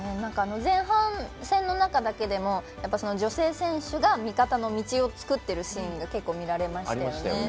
前半戦の中だけでも女性選手が味方の道を作ってるシーンが結構見られましたよね。